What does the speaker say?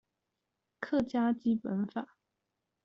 客家基本法